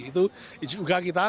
itu juga kita